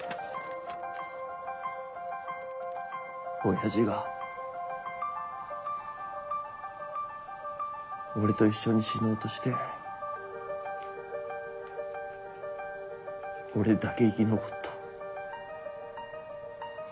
親父が俺と一緒に死のうとして俺だけ生き残った。